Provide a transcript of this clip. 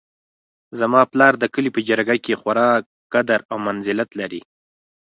زما پلار د کلي په جرګه کې خورا قدر او منزلت لري